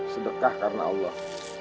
sedekah karna allah